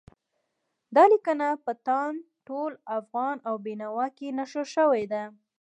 دا لیکنه په تاند، ټول افغان او بېنوا کې نشر شوې ده.